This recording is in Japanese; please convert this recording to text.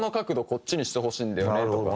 こっちにしてほしいんだよねとか。